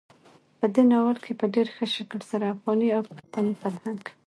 په دې ناول کې په ډېر ښه شکل سره افغاني او پښتني فرهنګ,